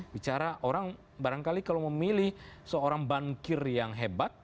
bicara orang barangkali kalau memilih seorang bankir yang hebat